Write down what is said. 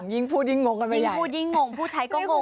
ยิ่งพูดยิ่งงงพูดใช้ก็งง